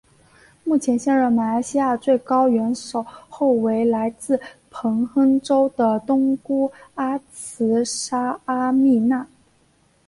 目前现任马来西亚最高元首后为来自彭亨州的东姑阿兹纱阿蜜娜。